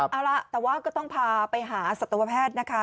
เอาล่ะแต่ว่าก็ต้องพาไปหาสัตวแพทย์นะคะ